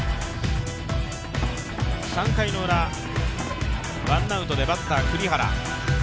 ３回のウラ、ワンアウトでバッター・栗原。